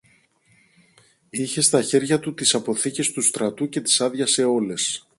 Είχε στα χέρια του τις αποθήκες του στρατού και τις άδειασε όλες.